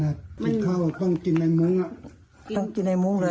อ้าวขนาดติดเข้าต้องกินไอ้มุ้งอ่ะ